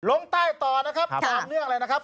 ลงใต้ต่อนะครับต่อเนื่องเลยนะครับ